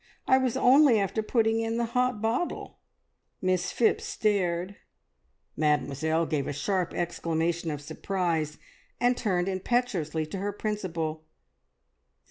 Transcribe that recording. I was only after putting in the hot bottle!" Miss Phipps stared, Mademoiselle gave a sharp exclamation of surprise, and turned impetuously to her Principal.